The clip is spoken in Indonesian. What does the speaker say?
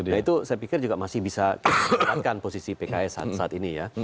nah itu saya pikir juga masih bisa kita lihatkan posisi pks saat ini ya